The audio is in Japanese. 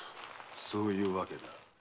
そういうわけだ。